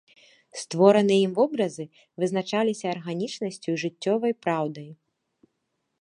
Створаныя ім вобразы вызначаліся арганічнасцю і жыццёвай праўдай.